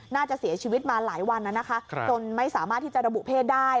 น่าจะเสียชีวิตมาหลายวันนะคะจนไม่สามารถที่จะระบุเพศได้